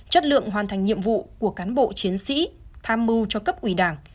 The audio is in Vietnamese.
chất lượng hoàn thành nhiệm vụ của cán bộ chiến sĩ tham mưu cho cấp ủy đảng